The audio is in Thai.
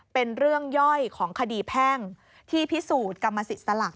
เป็นเรื่องย่อยของคดีแพ่งที่พิสูจน์กรรมสิทธิ์สลัก